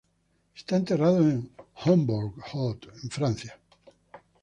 Está enterrado en Hombourg-Haut, en Francia.